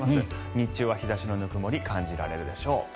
日中は日差しのぬくもり感じられるでしょう。